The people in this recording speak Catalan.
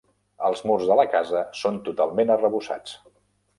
Els murs de la casa són totalment arrebossats.